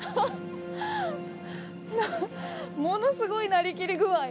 ものすごいなりきり具合！